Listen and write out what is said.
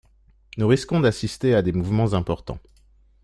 Nous risquons d’assister à des mouvements importants.